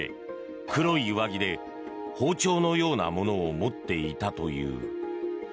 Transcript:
黒い上着で、包丁のようなものを持っていたという。